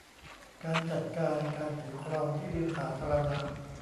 การจัดการการถือครองที่ดินสาธารณะ